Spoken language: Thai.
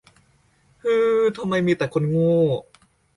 ฮือ ทำไมมีแต่คนโง่